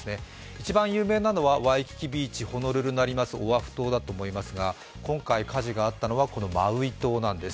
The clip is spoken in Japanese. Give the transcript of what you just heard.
一番有名なのはワイキキビーチホノルルがありますオアフ島だと思いますが、今回、火事があったのはマウイ島なんです。